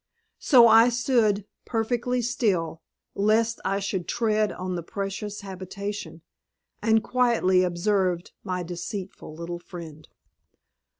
So I stood perfectly still, lest I should tread on the precious habitation, and quietly observed my deceitful little friend.